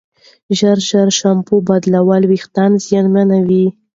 ژر ژر شامپو بدلول وېښتې زیانمنوي.